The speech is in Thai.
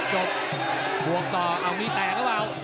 จบบวกต่อเอามีแตกหรือเปล่า